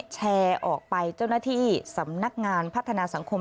แชร์ออกไปเจ้าหน้าที่สำนักงานพัฒนาสังคม